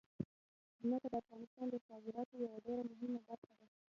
ځمکه د افغانستان د صادراتو یوه ډېره مهمه برخه ده.